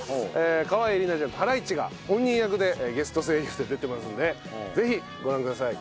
川栄李奈ちゃんとハライチが本人役でゲスト声優で出てますんでぜひご覧ください。